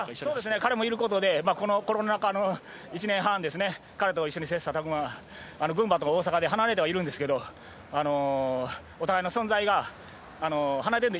彼もいることでこのコロナ禍の１年半彼と一緒に切さたく磨群馬と大坂で離れてはいるんですけどお互いの存在が離れていても。